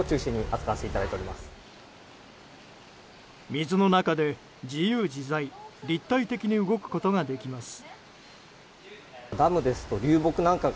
水の中で自由自在立体的に動くことができます。